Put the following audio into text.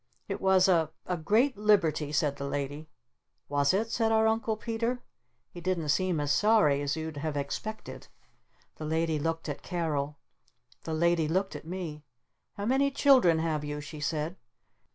"It was a a great liberty," said the Lady. "Was it?" said our Uncle Peter. He didn't seem as sorry as you'd have expected. The Lady looked at Carol. The Lady looked at me. "How many children have you?" she said.